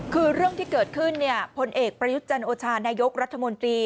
คือเรื่องที่เกิดขึ้นพลเอกประยุทธ์จันโอชานายกรัฐมนตรี